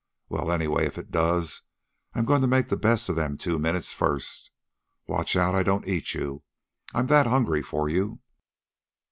Well, anyway, if it does, I'm goin' to make the best of them two minutes first. Watch out I don't eat you, I'm that hungry for you."